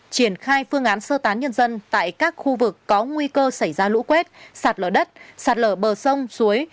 triển khai phương án sơ tán nhân dân tại các khu vực có nguy cơ xảy ra lũ quét sạt lở đất sạt lở bờ sông suối